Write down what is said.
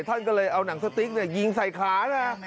ท่านก็เลยเอาหนังสติ๊กยิงใส่ขานะ